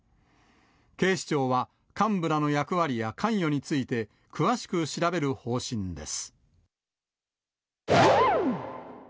警視庁は幹部らの役割や関与について、詳しく調べる方針です。